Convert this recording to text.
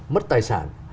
mất tài sản